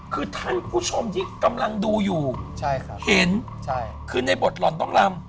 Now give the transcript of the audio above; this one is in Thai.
คือท่านผู้ชมที่กำลังดูอยู่เห็นคือในบทหล่อนต้องลำ